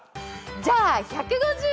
じゃあ１５０。